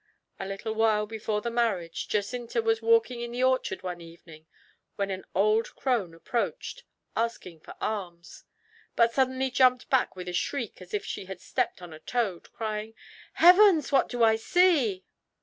A little while before the marriage Jacinta was walking in the orchard one evening, when an old crone approached, asking for alms, but suddenly jumped back with a shriek as if she had stepped on a toad, crying: "Heavens, what do I see?"